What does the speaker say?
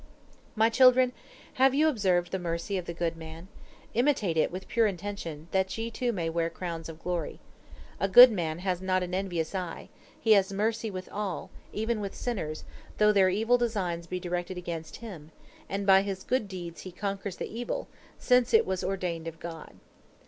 "My children, have you observed the mercy of the good man? Imitate it with pure intention, that ye, too, may wear crowns of glory. A good man has not an envious eye, he has mercy with all, even with sinners, though their evil designs be directed against him, and by his good deeds he conquers the evil, since it was ordained of God.